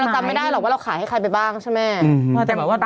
จำไม่ได้หรอกว่าเราขายให้ใครไปบ้างใช่ไหม